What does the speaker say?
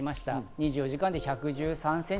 ２４時間で１１３ｃｍ。